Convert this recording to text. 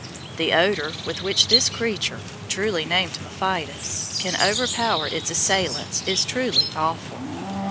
The odor with which this creature, truly named Mephitis, can overpower its assailants is truly AWFUL.